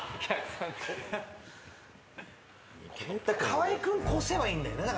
河合君超せばいいんだよね